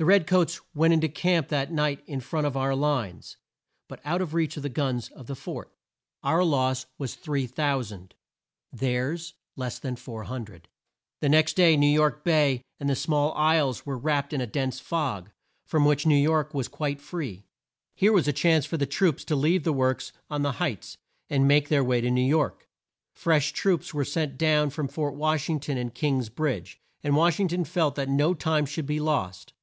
The red coats went in to camp that night in front of our lines, but out of reach of the guns of the fort. Our loss was 3,000. Theirs less than 400. The next day New York Bay and the small isles were wrapped in a dense fog, from which New York was quite free. Here was a chance for the troops to leave the works on the Heights, and make their way to New York. Fresh troops were sent down from Fort Wash ing ton and King's Bridge, and Wash ing ton felt that no time should be lost.